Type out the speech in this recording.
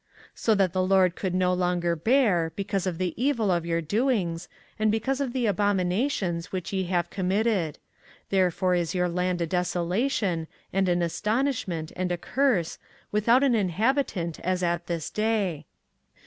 24:044:022 So that the LORD could no longer bear, because of the evil of your doings, and because of the abominations which ye have committed; therefore is your land a desolation, and an astonishment, and a curse, without an inhabitant, as at this day.